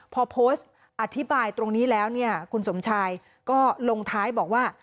พอโพสต์อธิบายตรงนี้แล้วเนี่ยคุณสมชายก็ลงท้ายบอกว่า